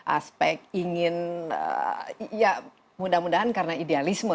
aspek ingin ya mudah mudahan karena idealisme